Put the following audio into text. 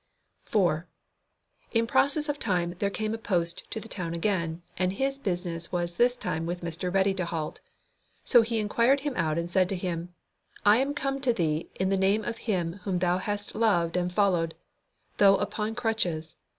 4. In process of time there came a post to the town again, and his business was this time with Mr. Ready to halt. So he inquired him out and said to him, "I am come to thee in the name of Him whom thou hast loved and followed, though upon crutches.